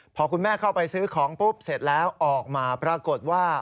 พอคุณแม่เข้าไปซื้อของปุ๊บเสร็จแล้วออกมาปรากฏว่า